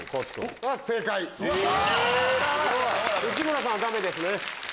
内村さんはダメですね。